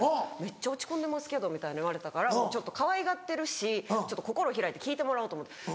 めっちゃ落ち込んでますけど」みたいに言われたからかわいがってるし心開いて聞いてもらおうと思って。